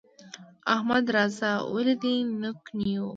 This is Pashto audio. احمده! راځه ولې دې نوک نيو؟